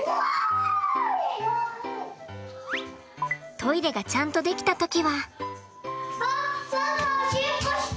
トイレがちゃんとできた時は。